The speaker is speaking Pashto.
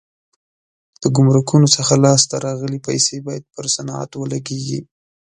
د ګمرکونو څخه لاس ته راغلي پیسې باید پر صنعت ولګېږي.